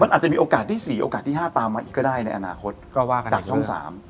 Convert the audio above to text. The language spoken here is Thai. อาจจะมีโอกาสที่สี่โอกาสที่ห้าตามมาอีกก็ได้ในอนาคตก็ว่ากันจากช่องสาม